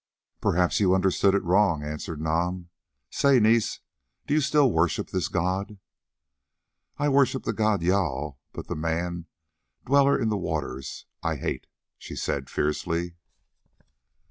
"Perhaps you understood it wrong," answered Nam. "Say, niece, do you still worship this god?" "I worship the god Jâl, but the man, Dweller in the Waters, I hate," she said fiercely.